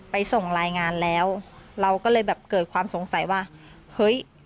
ส่งรายงานแล้วเราก็เลยแบบเกิดความสงสัยว่าเฮ้ย